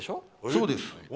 そうです。